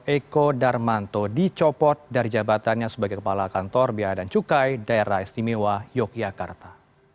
eko darmanto dicopot dari jabatannya sebagai kepala kantor bea dan cukai daerah istimewa yogyakarta